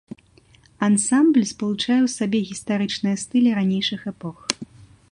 Ансамбль спалучае ў сабе гістарычныя стылі ранейшых эпох.